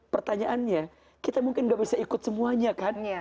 pertanyaannya kita mungkin gak bisa ikut semuanya kan